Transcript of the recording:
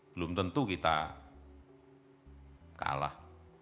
belum tentu kita kalah